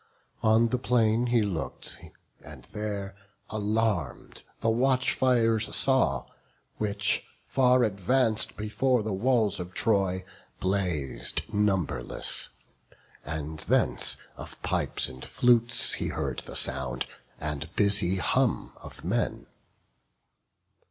On the plain He look'd, and there, alarm'd, the watchfires saw, Which, far advanc'd before the walls of Troy, Blaz'd numberless; and thence of pipes and flutes He heard the sound, and busy hum of men.